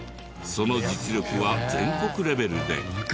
その実力は全国レベルで。